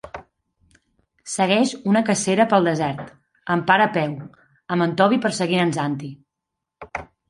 Segueix una cacera pel desert, en part a peu, amb en Tobi perseguint en Zanti.